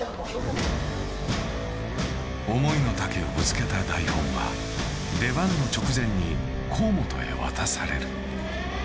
思いのたけをぶつけた台本は出番の直前に河本へ渡される。